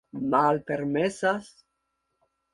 Malpermesas?